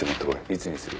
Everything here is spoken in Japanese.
いつにする？